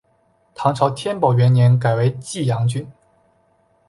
唐朝天宝元年改为济阳郡。